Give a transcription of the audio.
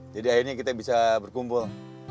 jadi akhirnya kita bisa berkumpul